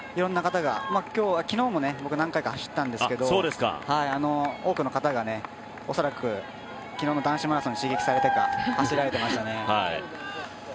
いろんな方が、昨日も僕何回かは知ったんですけど多くの方が、恐らく昨日の男子マラソン刺激されてか、走られてましたね。